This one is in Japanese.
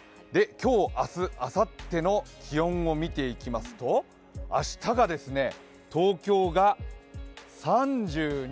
今日、明日、あさっての気温を見ていきますと、明日が東京が３２度。